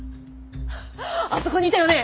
あそこにいたよね！